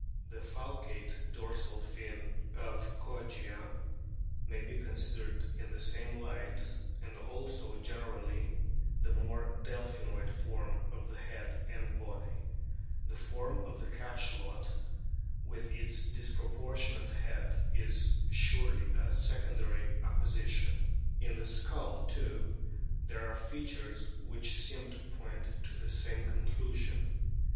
The falcate dorsal fin of Kogia may be considered in the same light, and also generally the more delphinoid form of the head and body ; the form of the Cachalot with its disproportionate head is surely a secondary acquisition. In the skull too there are features which seem to point to the same conclusion.